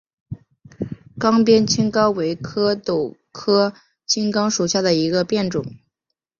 睦边青冈为壳斗科青冈属下的一个变种。